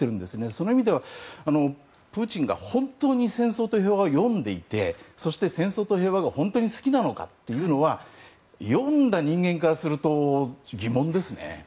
その意味では、プーチンが本当に「戦争と平和」を読んでいてそして「戦争と平和」が本当に好きなのかというのは読んだ人間からすると疑問ですね。